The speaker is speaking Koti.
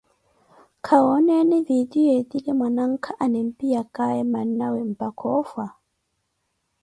Khawooneni vidio etile mwanankha animpiyakaaye mannawe mpaka oofwa ?